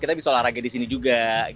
kita bisa menikmati tempat tempat yang terbaik